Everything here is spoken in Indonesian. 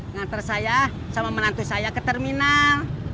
ngantar saya sama menantu saya ke terminal